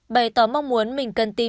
bày tỏ mong muốn mình cần tìm